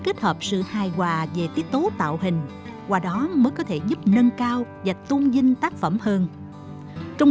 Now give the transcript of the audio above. kết hợp sự hài hòa về tiết tố tạo hình qua đó mới có thể giúp nâng cao và tôn vinh tác phẩm hơn trong